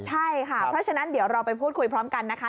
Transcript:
ใช่ค่ะเพราะฉะนั้นเดี๋ยวเราไปพูดคุยพร้อมกันนะคะ